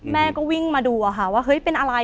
แม่ก็วิ่งมาดูว่าเป็นอะไรทำไม